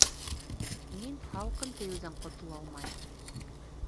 Мин һалҡын тейеүҙән ҡотола алмайым